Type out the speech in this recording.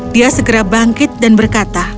dia segera bangkit dan berkata